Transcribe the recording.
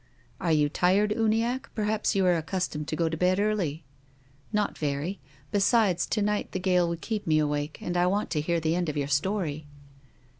" Are you tired, Uniacke ? perhaps you are ac customed to go to bed early ?"" Not very. Besides to night the gale would keep me awake ; and I want to hear the end of your story."